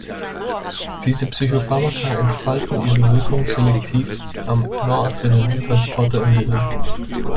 Diese Psychopharmaka entfalten ihre Wirkung selektiv am Noradrenalin-Transporter im Gehirn.